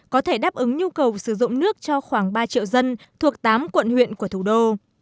có thể đáp ứng nhu cầu sử dụng nước cho khoảng ba triệu dân thuộc tám quận huyện của thủ đô